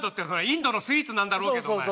インドのスイーツなんだろうけどお前。